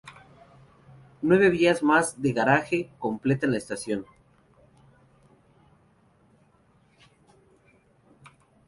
Nueve vías más de garaje completan la estación.